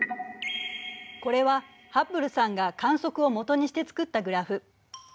これはハッブルさんが観測を基にして作ったグラフ。